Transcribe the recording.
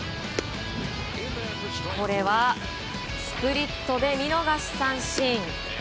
これはスプリットで見逃し三振。